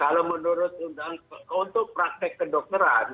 kalau menurut undang untuk praktek kedokteran